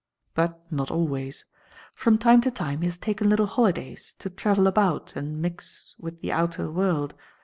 But not always. From time to time he has taken little holidays to travel about and mix with the outer world.